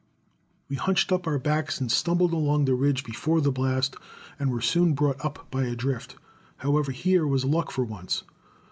We hunched up our backs and stumbled along the ridge before the blast, and were soon brought up by a drift. However, here was luck for once.